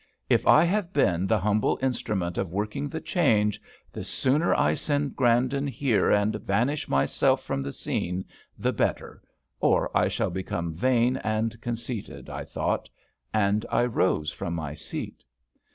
If I have been the humble instrument of working the change, the sooner I send Grandon here and vanish myself from the scene, the better, or I shall become vain and conceited, I thought; and I rose from my seat.